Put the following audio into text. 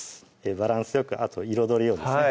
バランスよくあと彩りをですね